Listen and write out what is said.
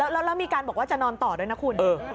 แล้วมีการบอกว่าจะนอนต่อด้วยนะคุณ